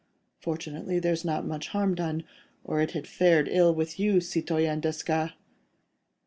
Fortunately, there's not much harm done, or it had fared ill with you, Citoyen Desgas."